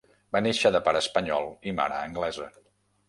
Va néixer de pare espanyol i mare anglesa.